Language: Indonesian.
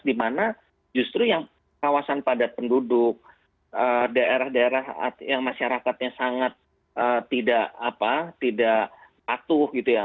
dimana justru yang kawasan padat penduduk daerah daerah yang masyarakatnya sangat tidak patuh gitu ya